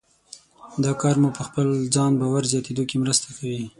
دا کار مو په خپل ځان باور زیاتېدو کې مرسته کوي.